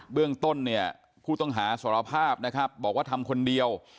เบื้องต้นนี้ผู้ต้องหาสวรรภาพบอกว่าทำคนเดียว